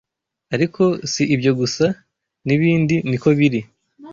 Ariko, si ibyo gusa nibindi niko biri